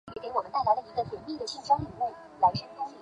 其中一位叫钟行廉曾在福建篮球队做了两年球会秘书。